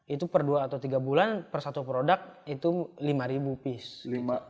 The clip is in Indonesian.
itu per dua atau tiga bulan per satu produk itu lima ribu piece